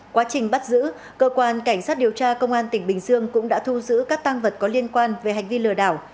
quá trình bắt giữ cơ quan cảnh sát điều tra công an tỉnh bình dương cũng đã thu giữ các tăng vật có liên quan về hành vi lừa đảo